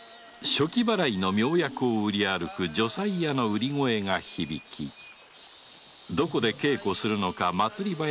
暑気払いの妙薬を売り歩く定斎屋の売り声が響きどこで稽古するのか祭り囃子が流れてくる